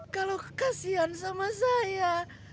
kalau kekasian sama saya